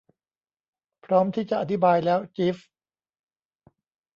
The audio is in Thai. พร้อมที่จะอธิบายแล้ว จีฟ